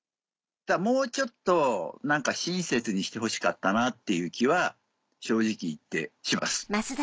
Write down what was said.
もうちょっと親切にしてほしかったなっていう気は正直言ってします。